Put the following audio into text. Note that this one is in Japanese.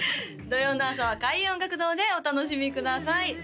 土曜の朝は開運音楽堂でお楽しみください